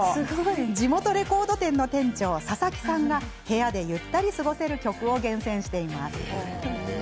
地元レコード店の店長佐々木さんが部屋でゆったり過ごせる曲を厳選しています。